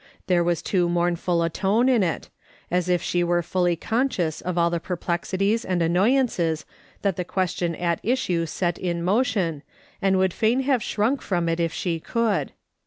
Theve was too mournful a tone in it, as if she were fully conscious of all the perplexities and annoyances that the question at issue set in motion, and would fain have shrunk from it if she could.